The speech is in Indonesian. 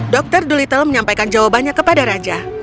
dr dolittle menyampaikan jawabannya kepada raja